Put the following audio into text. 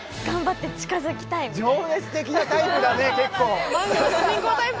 情熱的なタイプだね結構！